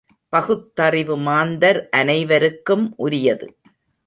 பகுத்தறிவு மாந்தர் அனைவருக்கும் உரியது.